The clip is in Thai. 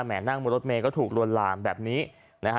นั่งบนรถเมย์ก็ถูกลวนลามแบบนี้นะฮะ